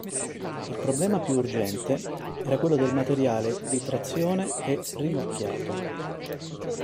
Il problema più urgente era quello del materiale di trazione e rimorchiato.